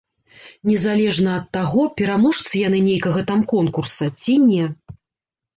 Незалежна ад таго, пераможцы яны нейкага там конкурса ці не.